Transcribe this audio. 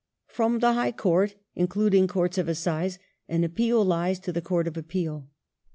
From the High Com t (including Courts of Assize) an appeal lies to the Court of Appeal.